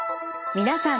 皆さん